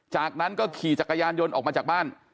จากนั้นก็ขี่จักรยานยนต์ออกมาจากบ้าน